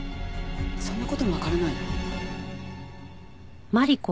そんな事もわからないの？